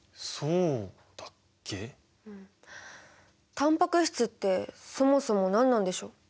タンパク質ってそもそも何なんでしょう？